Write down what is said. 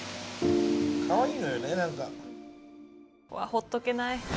ほっとけない。